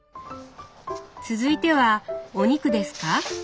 続いてはお肉ですか？